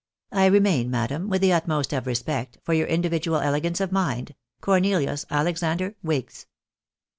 " I remain, madam, " With the utmost of respect " For your individual elegance of mind, " Cornelius Alexander Wigs."